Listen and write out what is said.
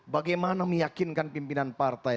bagaimana meyakinkan pimpinan partai